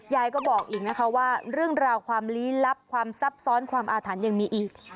ยายก็บอกอีกนะคะว่าเรื่องราวความลี้ลับความซับซ้อนความอาถรรพ์ยังมีอีก